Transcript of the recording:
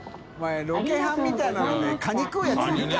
ロケハンみたいなのでカニ食うやついるか？